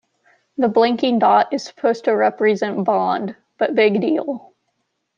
The blinking dot is supposed to represent Bond, but big deal.